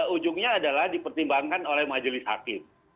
ujungnya adalah dipertimbangkan oleh majelis hakim